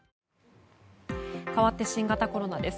かわって新型コロナです。